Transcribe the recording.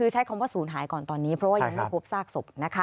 ใช้คำว่าสูญหายก่อนตอนนี้ยังไม่พบทราบสบ